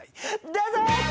どうぞ！